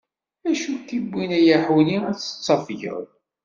Acu k-iwwin a yaḥuli ad tettafgeḍ!